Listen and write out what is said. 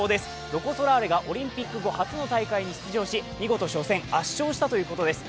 ロコ・ソラーレがオリンピック後初の大会に出場し見事初戦圧勝したということです。